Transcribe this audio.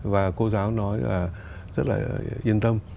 và cô giáo nói là rất là yên tâm